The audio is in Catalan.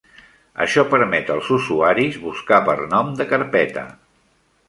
Això permet als usuaris buscar per nom de carpeta.